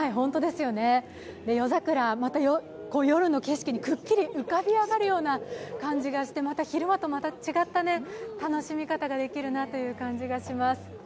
夜桜、夜の景色にくっきり浮かび上がるような感じがしてまた昼間と違って楽しみ方ができるなという感じがします。